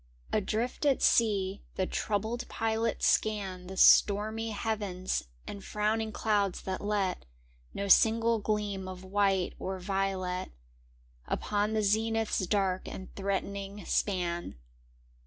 Adrift at sea, the troubled pilots scan The stormy heavens and frowning clouds that let No single gleam of white or violet Upon the zenith's dark and threatening span.